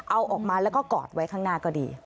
เอาออกมาแล้วก็กอดไว้ข้างหน้าก็ดี